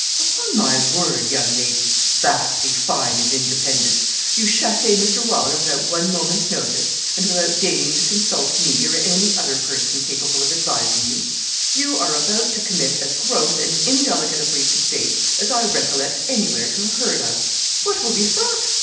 'Upon my word, young lady! vastly fine and independent! You chasser Mr. Wylder without one moment's notice, and without deigning to consult me, or any other person capable of advising you. You are about to commit as gross and indelicate a breach of faith as I recollect anywhere to have heard of. What will be thought?